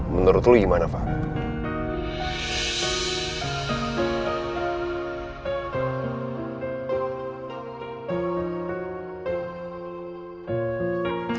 menurut lu gimana fah